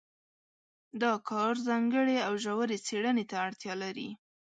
دا کار ځانګړې او ژورې څېړنې ته اړتیا لري.